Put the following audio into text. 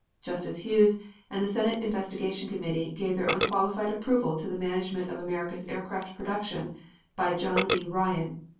Justice Hughes and the Senate Investigation Committee gave their unqualified approval to the management of America's aircraft production by John D. Ryan.